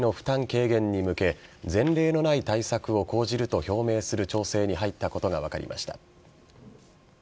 軽減に向け前例のない対策を講じると表明する調整に入ったことが分かりました。